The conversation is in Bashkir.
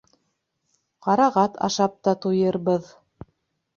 Ҡарағат ашап та туйырбыҙ.